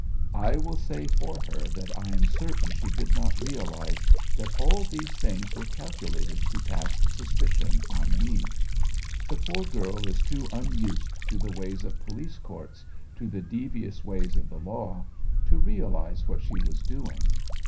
I will say for her that I am certain she did not realise that all these things were calculated to cast suspicion on me. The poor girl is too unused to the ways of police courts, to the devious ways of the law, to realise what she was doing.